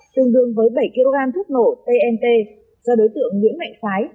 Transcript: tương đương với bảy kg thuốc nổ tnt do đối tượng nguyễn mạnh phái